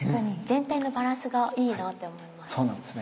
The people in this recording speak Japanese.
全体のバランスがいいなって思います。